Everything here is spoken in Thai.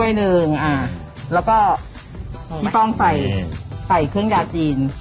ก๋วยหนึ่งอ่ะเราก็พี่ป้องใส่เขื่องยาจีน